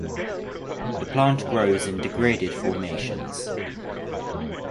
The plant grows in degraded formations.